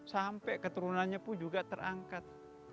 sampai keturunannya pun juga terangkat